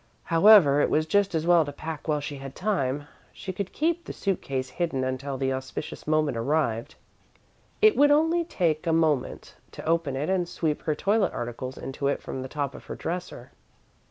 However, it was just as well to pack while she had time. She could keep the suit case hidden until the auspicious moment arrived. It would only take a moment to open it and sweep her toilet articles into it from the top of her dresser.